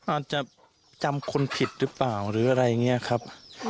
อาจจะจำคนผิดหรือเปล่าหรืออะไรอย่างนี้ครับ